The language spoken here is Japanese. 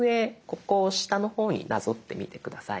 ここを下の方になぞってみて下さい。